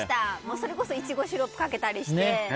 それこそイチゴシロップかけたり。